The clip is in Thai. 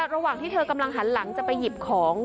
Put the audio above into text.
ระหว่างที่เธอกำลังหันหลังจะไปหยิบของ